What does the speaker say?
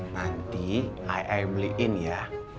nanti ai ai beliin ya